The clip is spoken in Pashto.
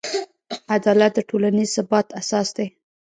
عدالت د ټولنیز ثبات اساس دی.